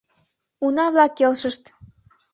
Уна-влак келшышт.